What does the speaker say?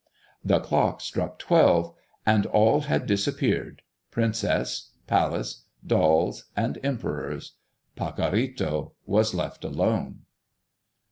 The clock struck twelve, and all had disappeared, princess, palace, dolls, and emperors. Pacorrito was left alone.